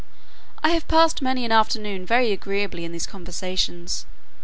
I have passed many an afternoon very agreeably in these conversations.